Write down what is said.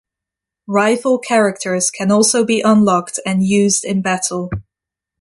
Rival Characters can also be unlocked and used in battle.